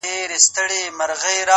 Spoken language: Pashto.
هغه نجلۍ مي اوس پوښتنه هر ساعت کوي;